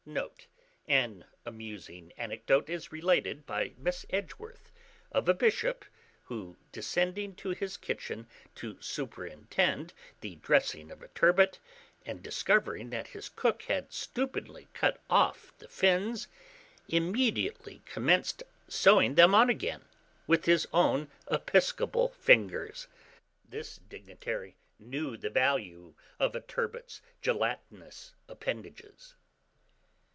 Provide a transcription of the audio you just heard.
Note. An amusing anecdote is related, by Miss Edgeworth, of a bishop, who, descending to his kitchen to superintend the dressing of a turbot, and discovering that his cook had stupidly cut off the fins, immediately commenced sewing them on again with his own episcopal fingers. This dignitary knew the value of a turbot's gelatinous appendages.